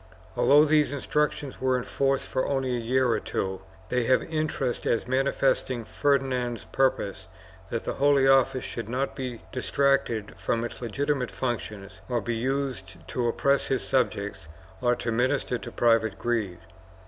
1 Although these Instructions were in force for only a year or two, they have interest as manifesting Ferdinand's purpose that the Holy Office should not be dis tracted from its legitimate functions or be used to oppress his subjects or to minister to private greed.